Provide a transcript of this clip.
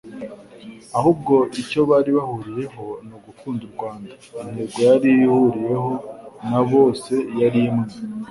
ahubwo icyo bari bahuriyeho ni ugukunda u Rwanda. Intego yari ihuriweho na bose yari imwe